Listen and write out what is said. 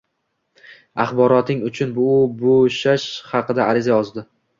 Axboroting uchun u bo'shash haqida ariza yozdi